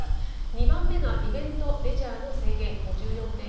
２番目が「イベントレジャーの制限」５４．４％。